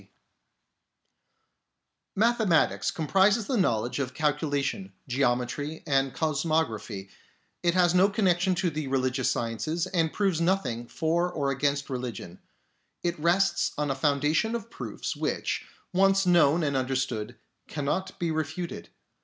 28 RESULTS OF MATHEMATICAL STUDY Mathematics comprises the knowledge of calcu lation, geometry, and cosmography : it has no connection with the religious sciences, and proves nothing for or against religion ; it rests on a foundation of proofs which, once known and understood, cannot be refuted.